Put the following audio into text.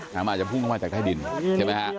น้ำอาจจะพุ่งเข้ามาจากใต้ดินเห็นไหมฮะ